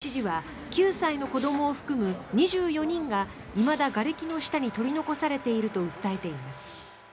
地元のキリレンコ州知事は９歳の子どもを含む２４人がいまだがれきの下に取り残されていると訴えています。